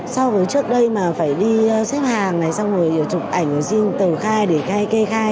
sau trước đây mà phải đi xếp hàng xong rồi chụp ảnh xin tờ khai để kê khai